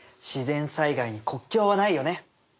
自然災害に国境はないよね！